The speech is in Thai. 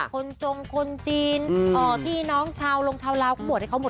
คนจงคนจีนพี่น้องเช้าลงเทาราวหมดให้เขาหมดเลย